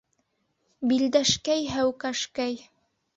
- Билдәшкәй, һәүкәшкәй...